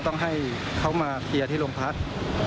ต้องให้เขามาเคลียร์ที่โรงพัก